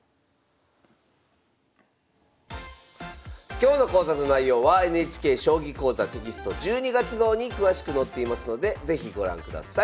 今日の講座の内容はＮＨＫ「将棋講座」テキスト１２月号に詳しく載っていますので是非ご覧ください。